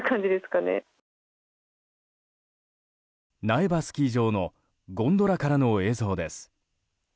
苗場スキー場のゴンドラからの映像です。